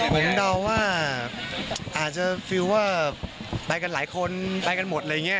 ผมเดาว่าอาจจะฟิลเวอร์ไปกันหลายคนไปกันหมดอะไรอย่างนี้